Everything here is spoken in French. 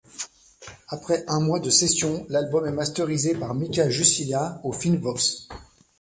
Après un mois de sessions, l'album est masterisé par Mika Jussila au Finnvox.